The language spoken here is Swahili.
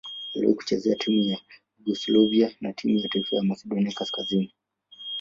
Aliwahi kucheza timu ya taifa ya Yugoslavia na timu ya taifa ya Masedonia Kaskazini.